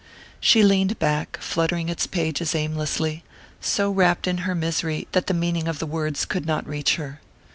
She leaned back, fluttering its pages aimlessly so wrapped in her own misery that the meaning of the words could not reach her.